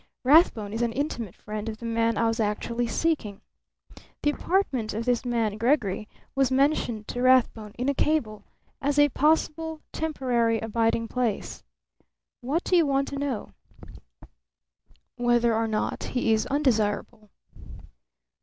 Rathbone is an intimate friend of the man I was actually seeking. The apartment of this man Gregory was mentioned to Rathbone in a cable as a possible temporary abiding place. What do you want to know?" "Whether or not he is undesirable."